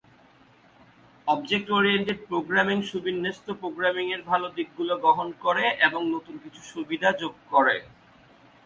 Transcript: Object oriented programming সুবিন্যস্ত programming এর ভাল দিকগুলো গ্রহণ করে এবং নতুন কিছু সুবিধা যোগ করে।